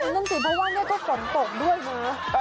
นั่นสิเพราะว่าเนี่ยก็ฝนโป่งด้วยเม้อ